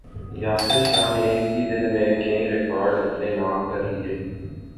یاسر شاہ نے ایک ہی دن میں کئی ریکارڈز اپنے نام کر لیے